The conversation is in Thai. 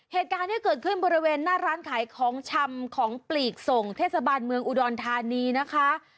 เหตุการณ์ที่เกิดขึ้นบริเวณหน้าร้านขายของชำของปลีกส่งเทศบาลเมืองอุดรธานีนะคะ